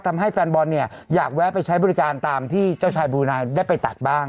แฟนบอลเนี่ยอยากแวะไปใช้บริการตามที่เจ้าชายบลูนายได้ไปตัดบ้าง